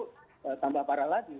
itu tambah parah lagi